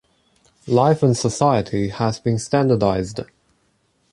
Life and society have been standardized.